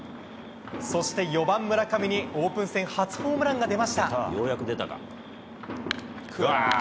そして４番、村上にオープン戦初ホームランが出ました。